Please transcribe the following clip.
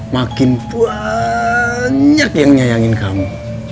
makin banyak yang nyayangin kamu